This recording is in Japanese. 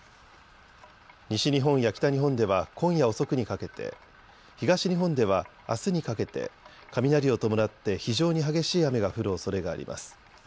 西日本や北日本では今夜遅くにかけて、東日本ではあすにかけて雷を伴って非常に激しい雨が降るおそれがあります。